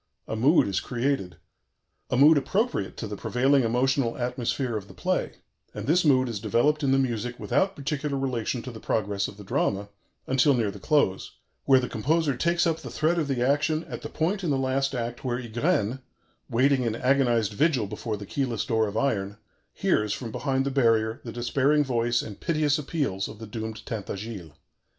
A mood is created a mood appropriate to the prevailing emotional atmosphere of the play; and this mood is developed in the music without particular relation to the progress of the drama until near the close, where the composer takes up the thread of the action at the point in the last act were Ygraine, waiting in agonized vigil before the keyless door of iron, hears, from behind the barrier, the despairing voice and piteous appeals of the doomed Tintagiles.